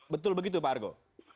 betul begitu pak argo